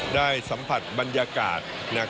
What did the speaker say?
ได้สัมผัสบรรยากาศ